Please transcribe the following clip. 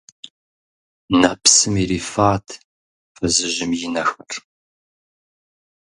Нэпсым ирифат фызыжьым и нэхэр.